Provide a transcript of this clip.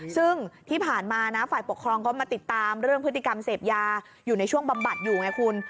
ซึ่งที่ผ่านมานะฝ่ายปกครองก็มาติดตามเรื่องพฤติกรรมเสพยาอยู่ในช่วงบำบัดอยู่ไงคุณ